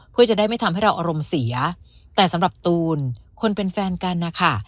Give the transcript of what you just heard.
เพื่อจะได้ไม่ทำให้เราอารมณ์เสียแต่สำหรับตูนคนเป็นแฟนกันนะคะ